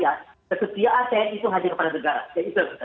ya itu saja tadi